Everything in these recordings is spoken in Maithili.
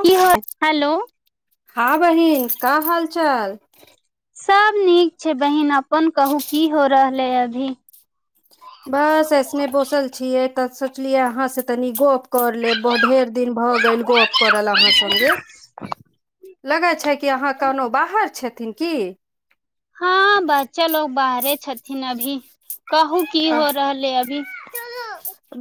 की हेलो हॅ बहिन क हाल चाल सब नीक छै बहिन अपन कहू की हो रहलै अभी बस ऐसने बोसल छियै तऽ सोचलियै अहाँ से तनि गप कर लेब ढेर दिन भऽ गेल गप करल अहाँ सगे लगै छै कि अहाँ कनोहु बाहर छथिन की हँ बच्चा लोकोग बाहरे छथिन अभी कहू की हो रहल ह अभी। तेलू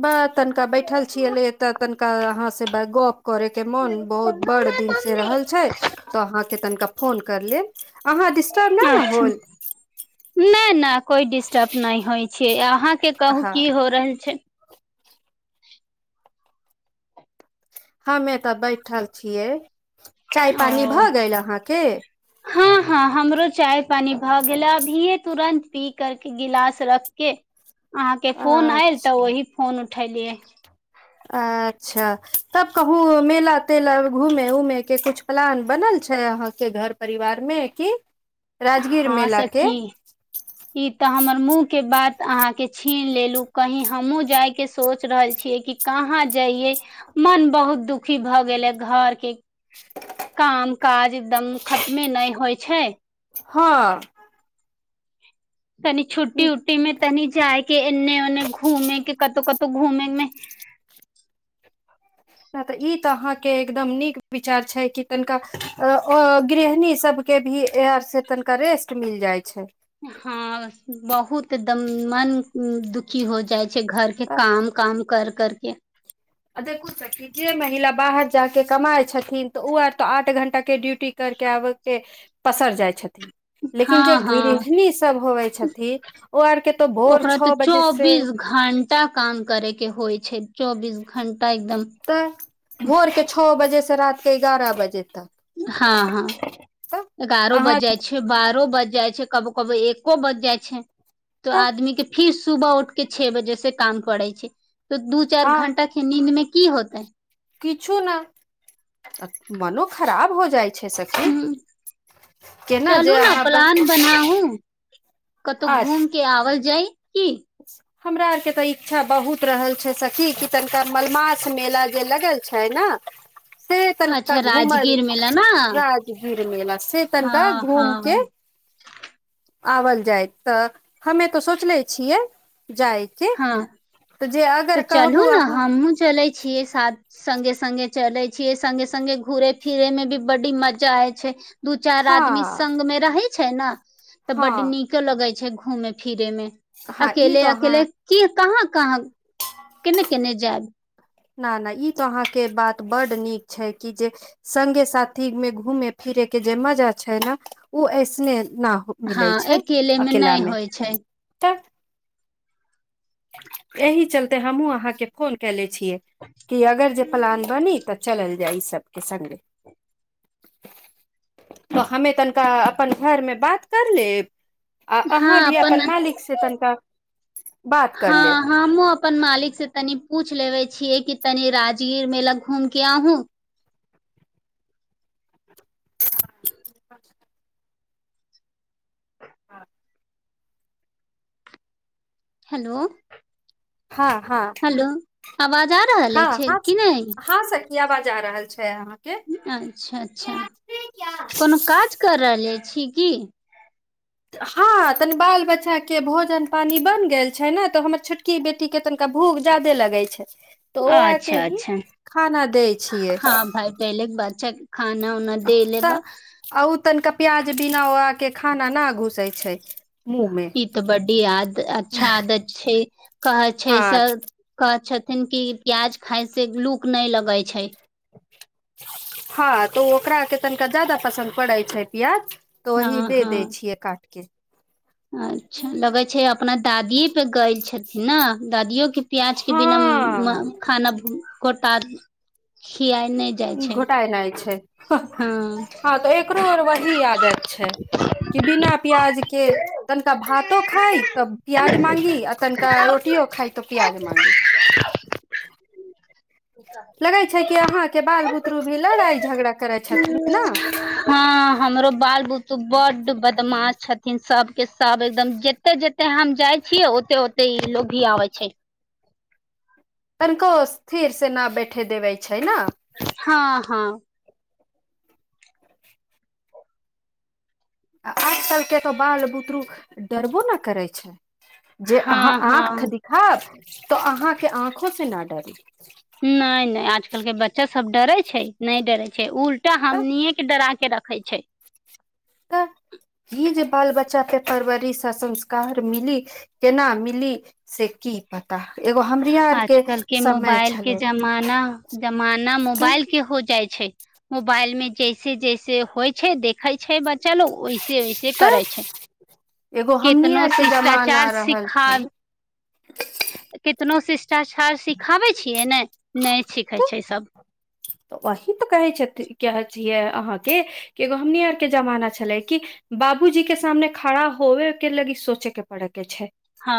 ब तनिका बैठल छीिय एले ए तऽ तनिका क यहाँ से बैगोप करे के मोन बहुत बड़ दिन से रहल छै तऽ अहाँ तनिका फोन कर लेब अहाँ डिस्टर्ब नहि ने होल मै न कोइ डिस्टर्ब नहि होइ छै अहाँ के कहू हँ की हो रहल छै हमे तऽ बैठल छियै चाय ओ पानी भऽ गेल अहाँके हँ हँ हमरो चाय पानी भऽ गेलै अभीये तुरन्ंत पी करके गिलास रख के अहाँ के फोन आयल अच्छा तऽ ओहि फोन उठलिय अच्छा तब कहूँ मेला तेला घूमे उमेके किछु प्लान बनल छै अहाँके घर परिवारमे कि राजगीर हँ मेला के सखी ई तऽ हमर मुँह के बात तऽ अहाँके छीन लेलू कही हमहुूँ जायके सोच रहल छियै कि कहाँ जइये मन बहुत दुखी भऽ गेले घर के काम काज एकदम खतमे नहि होइ छै हँ [inaudible] कनि छुट्टी उुट्टी मे तनी जायके एन्ने ओन्ने घूमे के कतहु कतहु घूमेमे तऽ ई तऽ अहाँ के एकदम नीक विचार छै कि तनिका गृहणी सब के भी एर से तनिका रेस्ट मिल जाय छै हँ बहुत एकदम मन दुखी हो जाइ छै घरके काम काम कर करके अद कुछ की महिला बात च्चाके कमाइ छथिन तऽ ओ आर त आठ घंटा के ड्यूटी कर के आबे के पसर जाय छथि लेकिन हँ जे हँ गृहिणी सब होबै छथिन ओ आरके तो भोर ओकरा तऽ छओ बजे से चौबीस घंटा काम करे के होइ छै चौबीस घं्टा एकदम तऽ भोर के छओ बजे रात के बग बजे तक हँ हँ तऽ एगारहो अहाँ बजे छै बारहो बजे बज जाइ छै कबो कब एको बज जाइ छै तऽ आदमी के फिर सुबह उठके छओ बजे से काम करै छै तऽ दू चार हँ घण्टाे नींद मे की होतै किछु ने मनो खराब हो जाइ छै सखी ह केना जे चलू ने अहाँ प्लान बनाहू कतौ आ घूम के आवल जाय की हमरा आरके तऽ इच्छा बहुत रहल छै सखी कि तनिका मलमाछ मेला जे लगल छै ने से तनिका अच्छा घूमल राजगीर मेला न राजगीर मेला से तनिका हँ हँ घूम के आओल जाय तऽ हमे तो सोचले छियै जायके हँ तऽ जे तऽ अगर चलू कहबू ने अहाँ हमहुूँ चलै छियै साथ संग्गे स्गे चले छियै सगे सगे घूुरे फिरे में भी बड़ी मजा आय छै दू चार आदमी हँ संगग में रहैत छैना तऽ हँ बडी नीक लगाई घूमे फिरे में हँ ई अकेल तो अहाँ अकेल कहाँ कहाँ कने किने जााद न नहि ई तो अहाँके बात बड नीक छै कि जे सगे साथी मे घूमे फिरे के जे मजा छै ने ओ ऐसने न हो हँ मिलै छै अकेले अकेला नहि मे होइ छै तऽ एहि चलते हमहुँ अहाँके फोन कनेे छी अगर जे प्लान बनी तऽ चलल जाइ छै सब से तऽ हमे तनिका अपन घर मे बात कर लेब आ अहाँ भी अपन मालिकसँ तनिका बात कर हँ लेब हमहुँ अपन मालिक से तनि पूछ लेब छियै कि तनि राजगीर मेला घूम के अहू ह [unintelligible] हँ हेलो हँ हँ। हेलो आवाज आ रहल अछि कि नहि? की आवाज आ रहल छै अहाँ अच्छा अच्छा, कोनो काज कर रहले छी किी हँ तनी बाल बच्चाके भोजन पानी बनि गेल छै ने तऽ हमर छोटकी बेटीके तनि भूख जादे लगै छै तऽ ओ आके अच्छा ही अच्छा खाना दै छियै हँ भाय पहिले बच्चा के खाना उना दे ले त बा आउ तनिका प्याज बिना ओ मुँह मे ई त बड याद अच्छा आदत छै कहै छै हँ सर कहै छथि क्यूंकि प्याज खाय से लूक नै लगै छै। हँ त ओकरा आर के तनिका ज्यादा पसन्द पड़ै छै प्याज। त हँ वही दे हँ दै छियै काटके। अच्छा, लगै छै अप अपना दादि पे गेल छथि ने, दादियो के प्याज के बिना हँ खाना कोतारी घोटाइ जाइ छै। हँ हां त एकरो आर वही आदत छै कि बिना प्याज के तनिका भातो खाइ त प्याज मांगी आ तनिका रोटियो खाइ त प्याज मांगी। लगै छै कि अहाँके बाल बुतरू मे लड़ाइ झगड़ा करै छथिन ने हां, हमरो बाल बुतरु बड् बदमाश छथिन सबके सब एकदम, जते जते हम जाइ छियै ओते ओते ई लोग भी आबै छै। कनिको थिर से ना बैठे देबै छै ना। हँ हँ आ आज कलके त बाल बुतरू डरबो ना करै छै। जे हँ अहाँ आंख हँ देखाओत त अहाँके आँखो से ना डरी। आइ कालिके बच चा सब डरे छै, नै डरे छै, उल्टा हमनिये के डरा के के रखै छै। त, ई जे बाल बच्चाके परवरिश आ संस्कार मिली, केना मिली से कि पता। एगो हमरी आर आजकल के समय मोबाइल के छलै जमाना, जमाना तऽ मोबाइल के हो जाइ छै, मोबाइल में जैसे जैसे होइ छै, देखे छै बच चलो वैसे वैसे करै तऽ छै, एगो हमनी कितनो आर के जमाना शिष्टाचार रहल छलै सिखाब कि कोनो शिष्टाचार सिखाबै छियै ने? नहि सीखै तऽ छै इ सब। तऽ वही तऽ कहे छैथ कहि छियै अहाँ के एगो हमनी आर के जमाना छले कि बाबूजी के सामने खड़ा होवे के लगी सोचे के पड़े के छै। हँ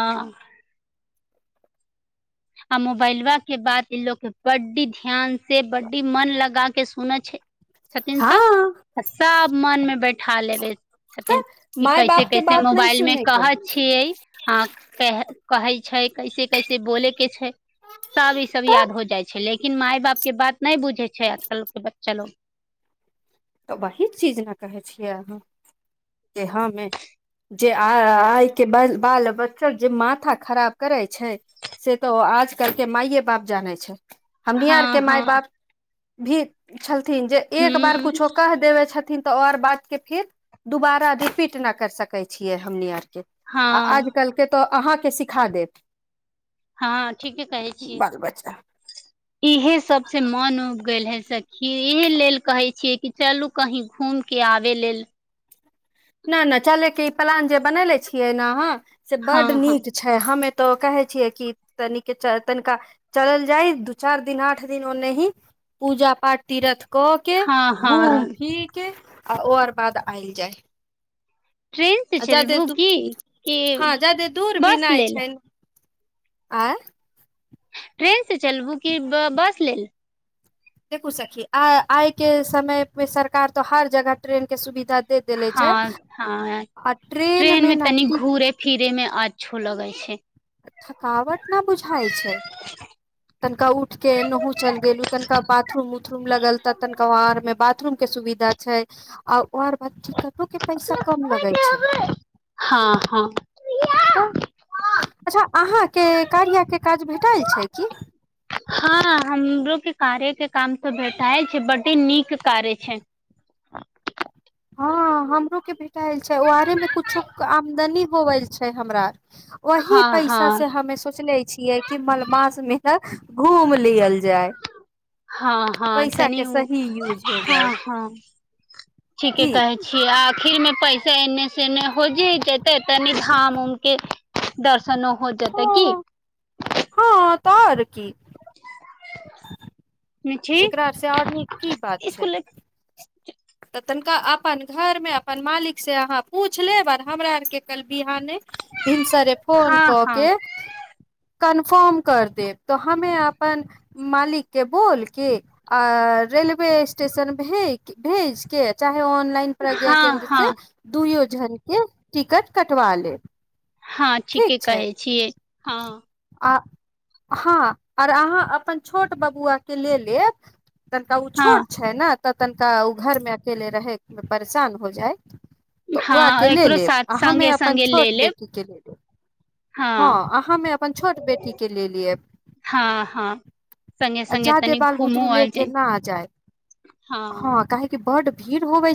आ मोबाइलवा के बाद इलोग के बड्डी ध्यान से बडी मन लगा के सुनै छै। छथिन हँ सभ आ सभ मनमे बैठा लेबै छथिन कि माय कैसे बाप के कैसे बात नहि मोबाइलमे सुने के कहै छियै? आ कहे। कहै छै कैसे कैसे बो के छै तब ई सब याद तऽ हो जाइ छै लेकिन लेकिन माय बाप के बात। नहि बुझै छै आजकल के बच्चा लोग। तऽ वही चीज ने कहे छियै अहाँ कि हमे जे आ आइ के बाल बच्चा जे माथा खराब करै छै। से तो आजकल के मााये बाप जानै छै। हमनी हँ आरके माय हँ बाप। भी छल थिन जे एक बार हूँ कुछो कहि देबै छथि। न तऽ आऔर बात के फेर दुबारा रिपीट न कर सकै छियै हमनी आर के। हँ अजकलके तऽ अहाँके सीखा देत। हँ ठीके कहे छीयै बाल बच्चा इहे सबसे मन उब गेल है। सखी‌ एहि लेल कहै छियै कि चलू कहीं घूम के आबे लेल। नहि नहि चलेके ई प्लान जे बनले छियै ने अहाँ। से हँ बड्ड हँ नीक छै हमे। तऽ कहे छियै कि तनिक तनिका चलल जाय दू चार दिन आठ दिन ओने ही पूजा पाठ तीरथ। कऽ के हँ घूम हँ फिर के। आ ओ आर बाद आयल जाय। ट्रेन से आ जादे चलबू दू की कि हँ जादे दूर भी बस नहि लेलेम? छै आ ट्रेन से चलबू कि बस लेलेम? देखू सखी आइ के समय मे सरकार तो हर जगह ट्रेन के सुविधा दे देले छै हँ ह ट्रेन मे तनी घूरे फिरे मे आ अच्छो लगै छै। थकावट न बुझाइ छै तनिका उठ के नहु चलि गेलू तनिका बाथरूम उथरूम लगल तऽ तनिका ओ आर मे बाथरूम के सुविधा छै आ। आऔर बचिकनो के पैसा कम लगे छै हँ हँ त। अच्छा अहाँके कार्यके काज भेटल छै की? हँ हमरो के कार्यके काम तऽ भेटाय छै बड्ड। एते नीक कार्य छै। हँ हमरो के भेटाल छै ओआरे में कुछो आमदनी होवल छै हमरा। वही हँ हँ पैसा से हमे सोचले छियै कि मलमास मे ह। घूम लियल। जाय हँ हँ पैसा तनी के सही यूज हो जाय हँ हँ ठीके की कहै छियै आखिर। पैसा एन्ने से नहि होजी जेते। तनी हाम उमके दर्श नो हो हँ जेतै की? हँ तऽ आओर की। [unintelligible] एकरा से आओर नीक की बात छै। इसकुल तऽ तनिका अपन घरमे अपन मालिकसँ अहाँ पूछि लेब आर हमरा आरके कल बिहाने। भीनसरे फोन हँ क हँ के। कन्फर्म कर देब तो हमे अपन मालिक के बोलके आ रेलवे स्टेशन भेज भेज के चाहे ऑनलाइन प्रज्ञा हँ केन्द्र हँ से दूयो जन के टिकट कटवा लेब। हँ ठीक ठीके छै कहै छियै हँ। आ हँ आर अहाँ अपन छोट बबुआके ले लेब। तनिका ओ हँ छोट छै ने। तऽ तनिका उ घर में अकेले रहे मे परेशान हो जाय। तऽ हँ उह के ले एकरो लेब साथ आ हमे संगे अपन संगे ले छोट लेब बेटी के ले लेब। हँ अहाँमे छोट बेटी के ल लेब हँ हँ संगे संगे जादे तनी बाल बुतरू घूमो ले आयल के जाय नहि जायब हँ काहे कि बड्ड भीड़ होबै।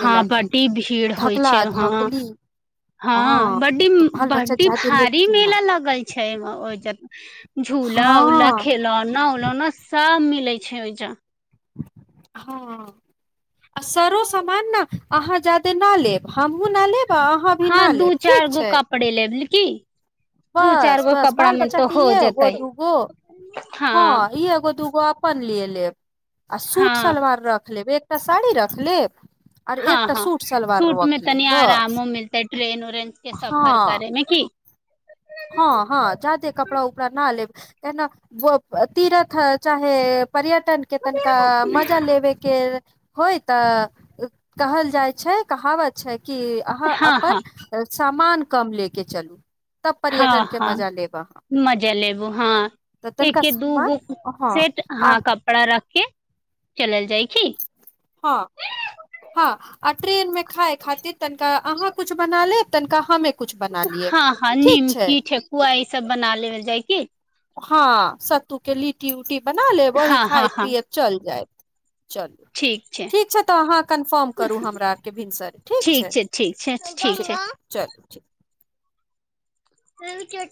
हँ बड्डी भीड़ होइ धकला छै। हह धकली हँ बड्डी तऽ बाल बच्चा बड्डी जादे ले भारी के ना मेला लगल छै। छै ओय म ओय जग। झूला ऊला हँ खेलौना उलौना सब मे। लै छै ओहिज। हँ। आ सरो सामान न अहाँ जादे ना लेब हमूँ न लेब आ अहाँ भी हँ ना दू लेब चार ठीक गो छै कपड़े लेबल की? दू चार बस गो बस कपड़ा बाल मे बच्चा तऽ के हो इएहे एगो जेतै दूगो हँ एगो दूगो। वापस ले लेब। आ सूट हँ सलवार रख लेबै। साड़ी रख लेब। आर हँ एकटा हँ सूट सलवार सूट मे रख तनि लेब बस आरामो मिलतै ट्रेन उरेन के सफर हँ करे मे की हँ हँ जाते कपड़ा उपरा न लेब। केना तीरथ चाहे पर्यटन के तनिका मजा लेबे के होय तऽ कहल जाइ छै कहावत छै। कि अहाँ हँ हँ अपन सामान कम ले के चलू तब पर्यटन हँ के हँ मजा लेब अहाँ मजा लेबो हँ तऽ तनिका एके सामान दूगो हँ सेट आ हँ कपड़ा रखे चलल जाइ की हँ हँ आ ट्रेन मे खााय खातिर तनिका अहाँ कुछ बना लेब तनिका हम एक हँ हँ निमकी ठेकुआ ई सब बना लेले जाय की हँ सत्तू के लीटी उऊटी बना लेब वही हँ हँ खायत हँ पियत चल जायत। चलू ठीक छै तऽ अहाँ कन्फर्म करू हमरा आरके भिनसर ठीक छै ठीक चलू। [unintelligible] सेल क।